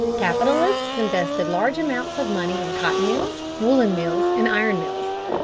Capitalists invested large amounts of money in cotton mills, woolen mills, and iron mills.